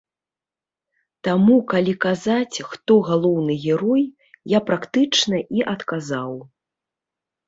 Таму калі казаць, хто галоўны герой, я практычна і адказаў.